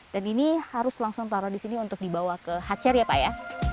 dan ini harus langsung taruh di sini untuk dibawa ke hacher ya pak ya